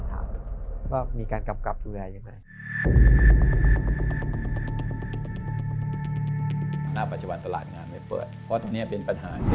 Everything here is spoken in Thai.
แถวอื่นปัจจุบันตลาดทางไม่เปิดเพราะว่า